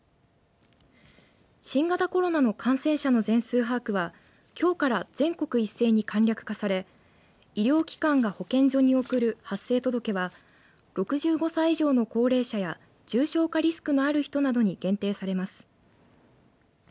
新型コロナの感染者の全数把握はきょうから全国一斉に簡略化され医療機関が保健所に送る発生届は６５歳以上の高齢者や重症化リスクのある人などに限定されます。